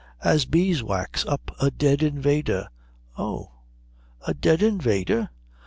"As bees wax up a dead invader." "Oh a dead invader?"